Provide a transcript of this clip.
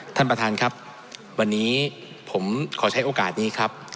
ท่านประธานครับวันนี้ผมขอใช้โอกาสนี้ครับ